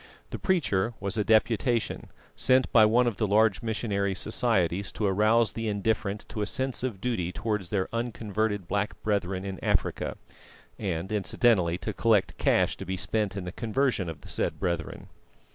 The preacher was a "Deputation," sent by one of the large missionary societies to arouse the indifferent to a sense of duty towards their unconverted black brethren in Africa, and incidentally to collect cash to be spent in the conversion of the said brethren.